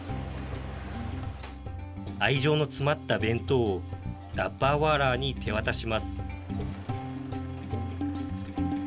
愛情のつまった弁当をダッバーワーラーに手渡します。